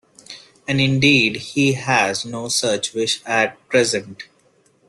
And indeed he has no such wish at present.